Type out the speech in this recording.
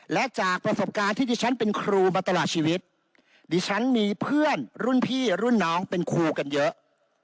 และจากประสบการณ์ที่ดิฉันเป็นครูมาตลอดชีวิตดิฉันมีเพื่อนรุ่นพี่รุ่นน้องเป็นครูกันเยอะ